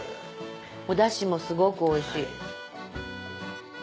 おダシもすごくおいしい。